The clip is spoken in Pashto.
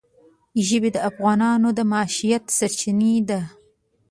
ژبې د افغانانو د معیشت سرچینه ده.